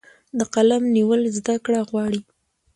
د قلم نیول زده کړه غواړي.